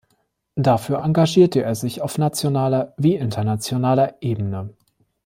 Dafür engagierte er sich auf nationaler wie internationaler Ebene.